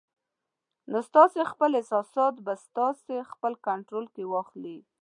نو ستاسې خپل احساسات به تاسې خپل کنټرول کې واخلي